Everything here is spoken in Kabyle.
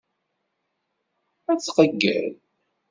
Ad tqeyyel.